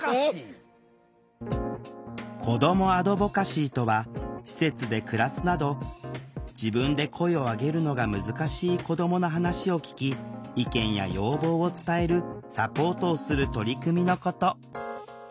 子どもアドボカシーとは施設で暮らすなど自分で声を上げるのが難しい子どもの話を聴き意見や要望を伝えるサポートをする取り組みのこと。